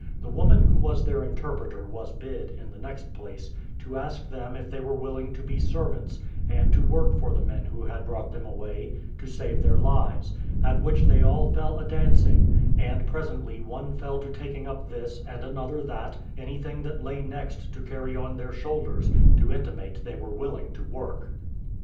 The woman who was their interpreter was bid, in the next place, to ask them if they were willing to be servants, and to work for the men who had brought them away, to save their lives; at which they all fell a dancing; and presently one fell to taking up this, and another that, anything that lay next, to carry on their shoulders, to intimate they were willing to work.